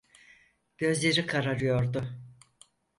Gözleri kararıyordu.